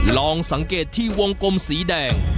ลองสังเกตที่วงกลมสีแดง